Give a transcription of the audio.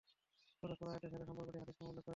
অতঃপর আয়াতের সাথে সম্পর্কিত হাদীসসমূহ উল্লেখ করেছেন।